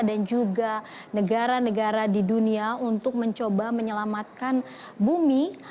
dan juga negara negara di dunia untuk mencoba menyelamatkan bumi